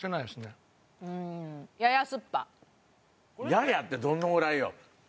「やや」ってどのぐらいよ？